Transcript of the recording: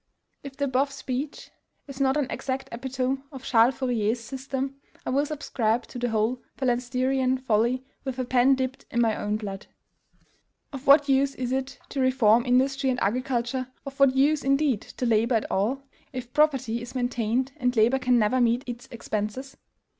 If the above speech is not an exact epitome of Charles Fourier's system, I will subscribe to the whole phalansterian folly with a pen dipped in my own blood. Of what use is it to reform industry and agriculture, of what use, indeed, to labor at all, if property is maintained, and labor can never meet its expenses?